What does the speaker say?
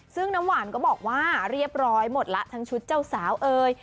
ซึ่งน้ำหวานก็บอกว่าเรียบร้อยหมดแล้วทั้งชุดเจ้าสาวเอ่ย